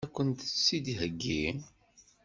Ad kent-tt-id-theggi?